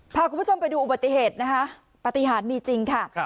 พาคุณผู้ชมไปดูอุบัติเหตุนะคะปฏิหารมีจริงค่ะ